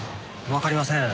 わかりません。